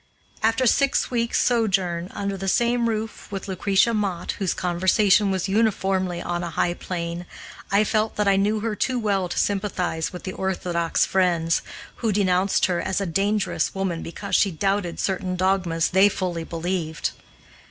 After six weeks' sojourn under the same roof with Lucretia Mott, whose conversation was uniformly on a high plane, I felt that I knew her too well to sympathize with the orthodox Friends, who denounced her as a dangerous woman because she doubted certain dogmas they fully believed.